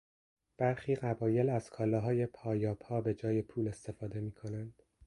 برخی قبایل از کالاهای پایاپا به جای پول استفاده میکنند.